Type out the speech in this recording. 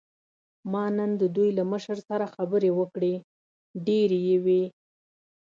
ما نن د دوی له مشر سره خبرې وکړې، ډېرې یې وې.